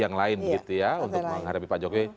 yang lain begitu ya untuk menghadapi pak jokowi